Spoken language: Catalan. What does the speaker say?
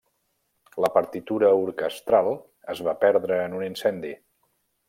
La partitura orquestral es va perdre en un incendi.